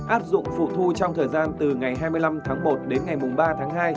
áp dụng phụ thu trong thời gian từ ngày hai mươi năm tháng một đến ngày ba tháng hai